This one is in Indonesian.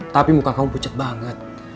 tapi muka kamu pucat banget